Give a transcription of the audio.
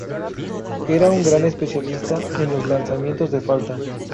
Era un gran especialista en los lanzamientos de falta.